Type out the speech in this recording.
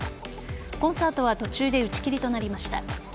コンサートは途中で打ち切りとなりました。